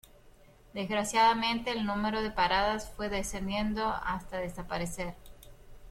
Desgraciadamente el número de paradas fue descendiendo hasta desaparecer.